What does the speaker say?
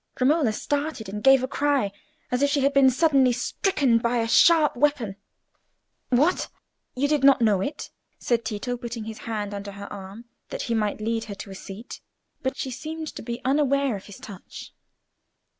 Romola started, and gave a cry as if she had been suddenly stricken by a sharp weapon. "What! you did not know it?" said Tito, putting his hand under her arm that he might lead her to a seat; but she seemed to be unaware of his touch.